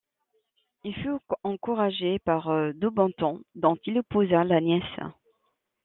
Il fut encouragé par Daubenton dont il épousa la nièce.